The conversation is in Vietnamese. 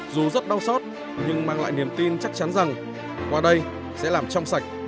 dù rất đau xót nhưng mang lại niềm tin chắc chắn rằng qua đây sẽ làm trong sạch